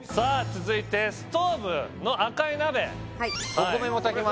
続いてストウブの赤い鍋お米も炊けます